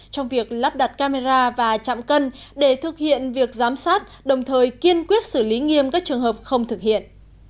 trong việc lắp đặt camera và chạm cân để thực hiện việc giám sát đồng thời kiên quyết xử lý nghiêm các trường hợp không thực hiện